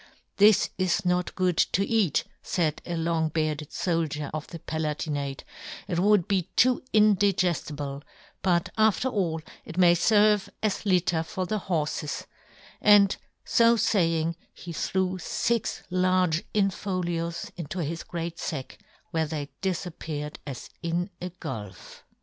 " This is not good " to eat," faid a long bearded foldier of the Palatinate, " it would be too " indigeftible, but after all it may " ferve as litter for the horfes ;" and, fo faying, he threw fix large in folios into his great fack, where they dif appeared as in a gulph.